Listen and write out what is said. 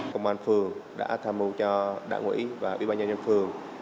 công an phường đã tham mưu cho đảng quỹ và ủy ban nhân dân phường